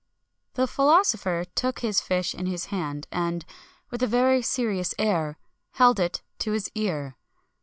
The philosopher took his fish in his hand, and, with a very serious air, held it to his ear.